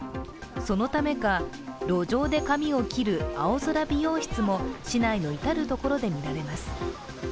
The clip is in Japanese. そのためか、路上で髪を切る青空美容室も市内の至る所で見られます。